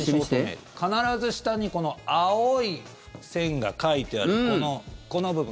必ず下にこの青い線が書いてあるこの部分。